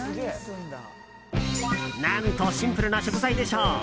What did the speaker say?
何とシンプルな食材でしょう。